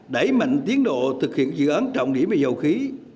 đẩy mạnh tiến độ thực hiện dự án trọng điểm về dầu khí